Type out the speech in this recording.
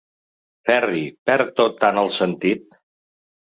Ferri, perd tot tant el sentit...